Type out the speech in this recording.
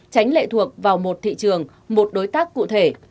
tránh lệ thuộc vào một thị trường một đối tác cụ thể